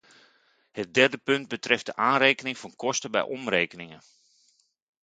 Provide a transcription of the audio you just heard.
Het derde punt betreft de aanrekening van kosten bij omrekeningen.